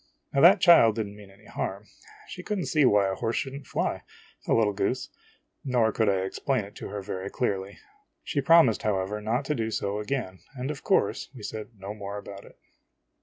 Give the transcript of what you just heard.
Now that child did n't mean any harm ; she could n't see why a horse should n't fly, the little goose ! nor could I explain it to her very clearly. She promised, however, not to do so again, and of course \ve said no more about it.